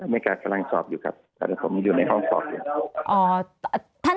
มีการกำลังสอบอยู่ครับผมอยู่ในห้องสอบอยู่